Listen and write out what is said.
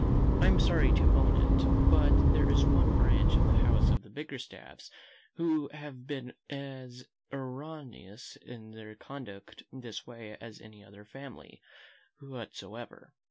I am sorry to own it; but there is one branch of the house of the Bickerstaffs who have been as erroneous in their conduct this way as any other family whatsoever.